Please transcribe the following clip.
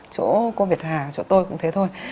chỗ cô việt hà chỗ tôi cũng thế thôi